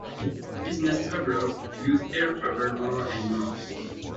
Business travellers used air travel more and more.